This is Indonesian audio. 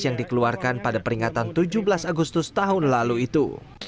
yang dikeluarkan pada peringatan tujuh belas agustus tahun lalu itu